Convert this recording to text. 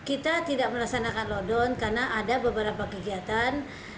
kita tidak melaksanakan lockdown karena ada beberapa kegiatan